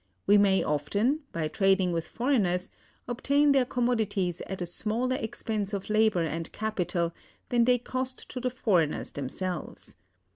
We may often, by trading with foreigners, obtain their commodities at a smaller expense of labor and capital than they cost to the foreigners themselves.